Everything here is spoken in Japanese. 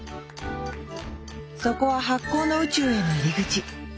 そこは発酵の宇宙への入り口。